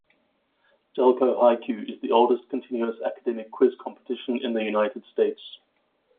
Delco Hi-Q is the oldest continuous academic quiz competition in the United States.